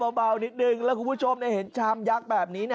เบานิดนึงแล้วคุณผู้ชมเห็นชามยักษ์แบบนี้